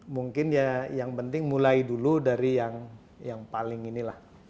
mungkin ya yang penting mulai dulu dari yang paling inilah